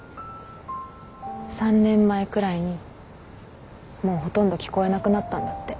３年前くらいにもうほとんど聞こえなくなったんだって。